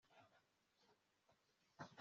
agashiramo mikorobi numutobi windimu